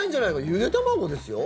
ゆで卵ですよ？